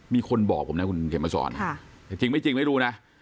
มีคนบอกผมนะคุณเข็มมาสอนจริงไม่จริงไม่รู้นะ